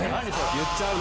言っちゃうの？